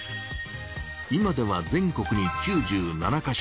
今では全国に９７か所。